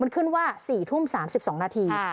มันขึ้นว่า๔ทุ่ม๓๒นาที